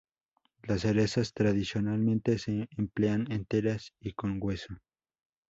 Las cerezas tradicionalmente se emplean enteras y con hueso.